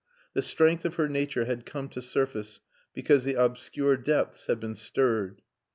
The strength of her nature had come to surface because the obscure depths had been stirred.